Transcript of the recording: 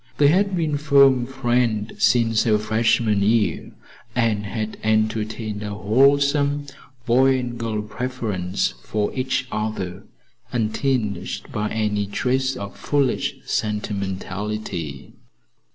They had been firm friends since her freshman year, and had entertained a wholesome, boy and girl preference for each other untinged by any trace of foolish sentimentality.